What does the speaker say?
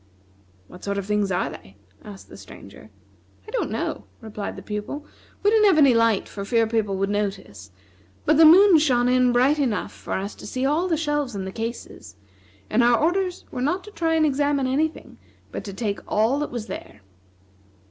"What sort of things are they," asked the Stranger. "I don't know," replied the Pupil, "we didn't have any light for fear people would notice it, but the moon shone in bright enough for us to see all the shelves and the cases; and our orders were not to try and examine any thing, but to take all that was there.